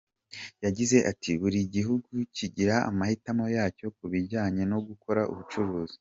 Yagize ati “ Buri gihugu kigira amahitamo yacyo ku bijyanye no gukora ubucuruzi.